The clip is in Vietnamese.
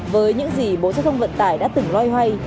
với những gì bộ giao thông vận tải đã từng loay hoay